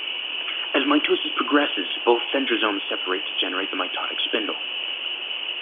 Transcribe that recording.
As mitosis progresses, both centrosomes separate to generate the mitotic spindle.